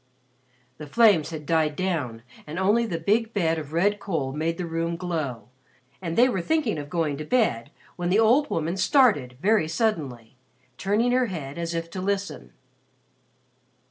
The flames had died down and only the big bed of red coal made the room glow, and they were thinking of going to bed when the old woman started very suddenly, turning her head as if to listen.